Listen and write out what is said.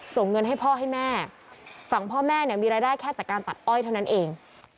ส่งเงินให้พ่อให้แม่ฝั่งพ่อแม่เนี่ยมีรายได้แค่จากการตัดอ้อยเท่านั้นเอง